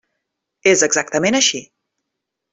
És exactament així.